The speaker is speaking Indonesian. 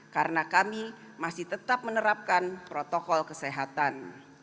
karena kami masih tetap menerapkan protokol kesehatan